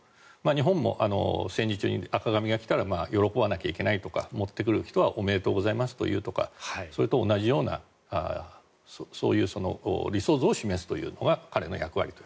日本も戦時中に赤紙が来たら喜ばなきゃいけないとか持ってくる人はおめでとうございますと言うとかそれと同じようなそういう理想像を示すというのが彼の役割と。